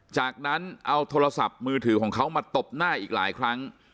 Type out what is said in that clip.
จากนั้นเอาโทรศัพท์มือถือของเขามาตบหน้าอีกหลายครั้ง